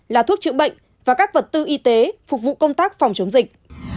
là thuốc chữa bệnh và các vật tư y tế phục vụ công tác phòng chống dịch